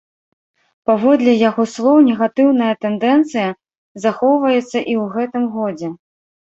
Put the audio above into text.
Паводле яго слоў, негатыўная тэндэнцыя захоўваецца і ў гэтым годзе.